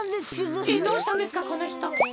えっどうしたんですかこのひと。